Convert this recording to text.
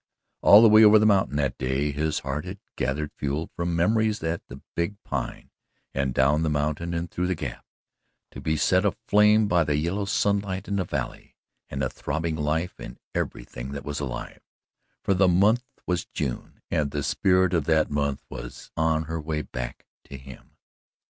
All the way over the mountain that day his heart had gathered fuel from memories at the big Pine, and down the mountain and through the gap, to be set aflame by the yellow sunlight in the valley and the throbbing life in everything that was alive, for the month was June and the spirit of that month was on her way to him.